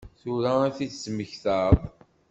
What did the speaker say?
Tura i t-id-temmektaḍ?